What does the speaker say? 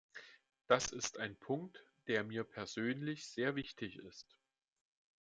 Das ist ein Punkt, der mir persönlich sehr wichtig ist.